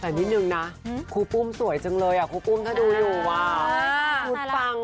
แต่นินหนึ่งนะครูปุ้มสวยจังเลยครูปุ้มถ้าดูอยู่ว่าน่ารัก